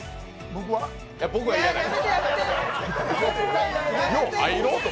いや、僕はいらない。